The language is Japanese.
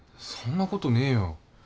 そんなことねえよ。